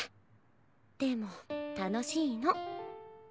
でも楽しいの。